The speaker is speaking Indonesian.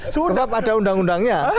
sebab ada undang undangnya